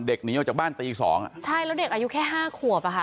เด็กหนีออกจากบ้านตีสองใช่แล้วเด็กอายุแค่๕ขวบค่ะ